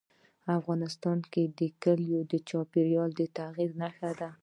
افغانستان کې کلي د چاپېریال د تغیر نښه ده.